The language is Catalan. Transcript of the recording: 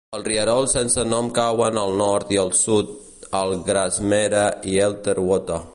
Els rierols sense nom cauen al nord i al sud al Grasmere i Elter Water.